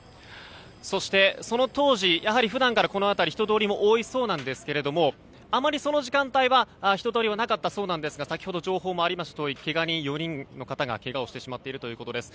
そして、その当時やはり普段からこの辺り人通りも多いそうなんですけどもあまり、その時間帯は人通りはなかったそうなんですが先ほど情報もありましたとおり４人の方がけがをしてしまっているということです。